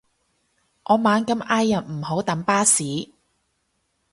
我猛咁嗌人唔好等巴士